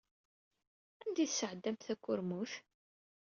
Anda ay d-tesɛeddamt takurmut?